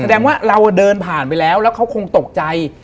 แสดงว่าเราเดินผ่านไปแล้วแล้วเขาคงตกใจ